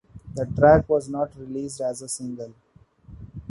The track was not released as a single.